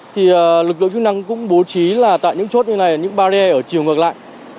thì lực lượng chức năng cũng bố trí là tại những chốt như này những barrier ở chiều ngược lại